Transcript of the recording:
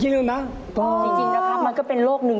จริงนะครับมันก็เป็นโลกหนึ่ง